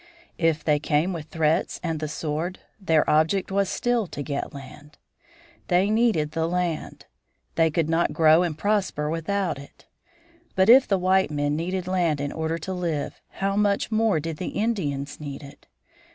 If they came with threats and the sword, their object was, still, to get land. They needed the land. They could not grow and prosper without it. But if the white men needed land in order to live how much more did the Indians need it!